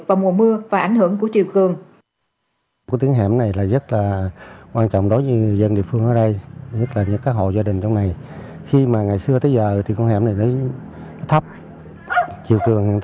và mùa mưa và ảnh hưởng của triều cường